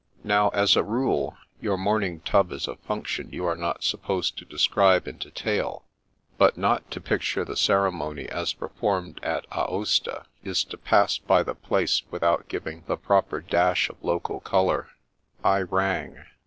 Now, as a rule, your morning tub is a function you are not supposed to describe in detail; but not to picture the ceremony as performed at Aosta, is to pass by the place without giving the proper dash of local colour. I rang.